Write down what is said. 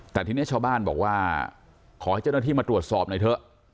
แต่ทีนี้ชาวบ้านบอกว่าขอให้เจ้าหน้าที่มาตรวจสอบหน่อยเถอะ